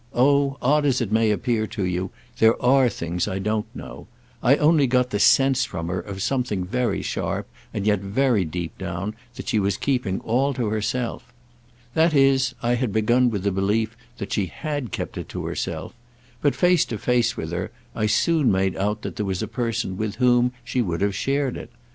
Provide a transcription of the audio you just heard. Oh, odd as it may appear to you, there are things I don't know. I only got the sense from her of something very sharp, and yet very deep down, that she was keeping all to herself. That is I had begun with the belief that she had kept it to herself; but face to face with her there I soon made out that there was a person with whom she would have shared it.